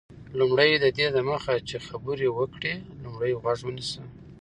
لومړی: ددې دمخه چي خبري وکړې، لومړی غوږ ونیسه.